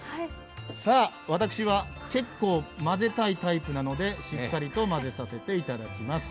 私は結構混ぜたいタイプなのでしっかりと混ぜさせていただきます。